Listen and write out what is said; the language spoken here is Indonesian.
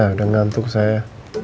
udah ngantuk saya